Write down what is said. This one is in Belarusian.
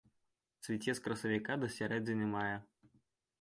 Цвіце з красавіка да сярэдзіны мая.